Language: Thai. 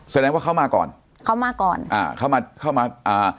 แสดงว่าเขามาก่อนเขามาก่อนอ่าเขามาเข้ามาอ่า